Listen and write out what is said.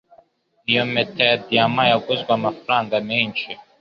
Iyo mpeta ya diyama yaguzwe amafaranga menshi